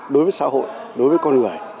đối với xã hội đối với con người